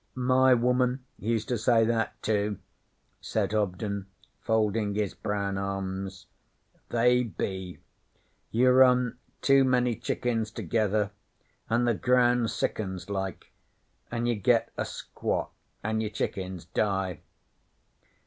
'My woman used to say that too,' said Hobden, folding his brown arms. 'They be. You run too many chickens together, an' the ground sickens, like, an' you get a squat, an' your chickens die.